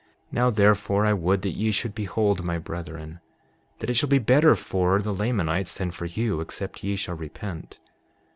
Now therefore, I would that ye should behold, my brethren, that it shall be better for the Lamanites than for you except ye shall repent.